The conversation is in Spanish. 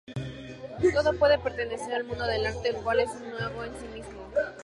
Todo puede pertenecer al mundo del arte, el cual es nuevo en sí mismo.